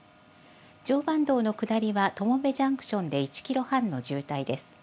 常磐道の下りは、友部ジャンクションで１キロ半の渋滞です。